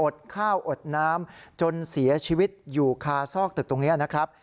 ข้าวอดน้ำจนเสียชีวิตอยู่คาซอกตึกตรงนี้นะครับ